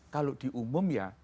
kalau diumum ya